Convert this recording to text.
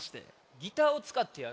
ギターをつかってやる？